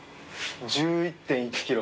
１１．１キロ！